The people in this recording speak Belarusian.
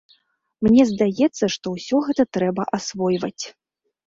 Мне здаецца, што ўсё гэта трэба асвойваць.